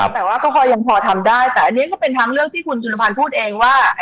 แต่ว่าก็พอยังพอทำได้แต่อันนี้ก็เป็นทางเลือกที่คุณจุลภัณฑ์พูดเองว่า